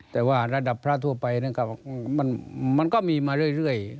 แต่ว่าระดับพระทั่วไปก็มีมาเรื่อย